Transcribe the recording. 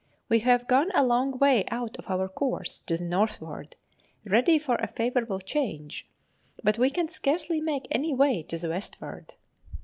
We have gone a long way out of our course to the northward, ready for a favourable change, but we can scarcely make any way to the westward.